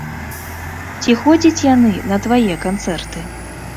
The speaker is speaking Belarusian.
Ці ходзяць яны на твае канцэрты?